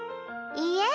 いいえ